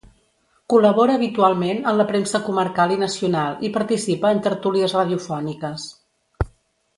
Col·labora habitualment en la premsa comarcal i nacional i participa en tertúlies radiofòniques.